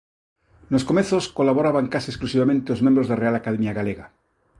Nos comezos colaboraban case exclusivamente os membros da Real Academia Galega.